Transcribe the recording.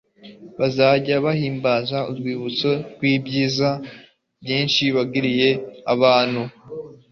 bazajya bahimbaza urwibutso rw'ibyiza byinshi wagiriye abantu